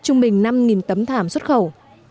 trung bình năm tấm thảm xuất khẩu